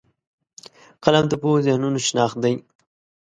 قلم د پوهو ذهنونو شناخت دی